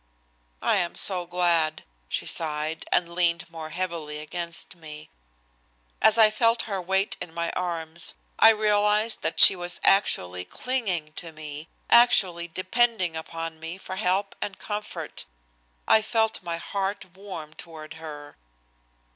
"I am so glad," she sighed, and leaned more heavily against me. As I felt her weight in my arms and realized that she was actually clinging to me, actually depending upon me for help and comfort, I felt my heart warm toward her.